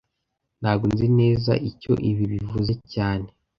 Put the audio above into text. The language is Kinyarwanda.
Ntago nzi neza icyo ibi bivuze cyane